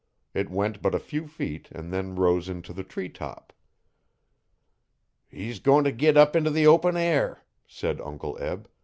It went but a few feet and then rose into the tree top. 'He's goin' t' git up into the open air,' said Uncle Eb.